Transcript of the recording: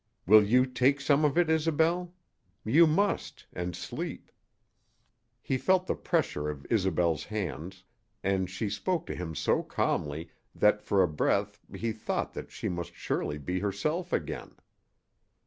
"Will you take some of it, Isobel? You must and sleep." He felt the pressure of Isobel's hands, and she spoke to him so calmly that for a breath he thought that she must surely be herself again.